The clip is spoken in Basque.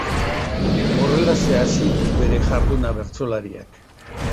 Horrelaxe hasi du bere jarduna bertsolariak.